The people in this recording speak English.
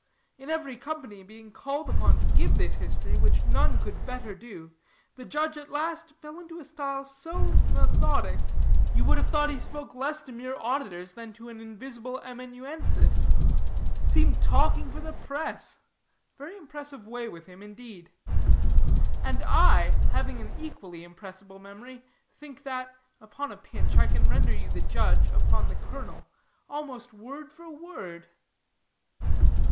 In every company being called upon to give this history, which none could better do, the judge at last fell into a style so methodic, you would have thought he spoke less to mere auditors than to an invisible amanuensis; seemed talking for the press; very impressive way with him indeed. And I, having an equally impressible memory, think that, upon a pinch, I can render you the judge upon the colonel almost word for word."